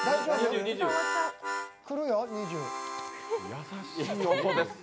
優しい音です。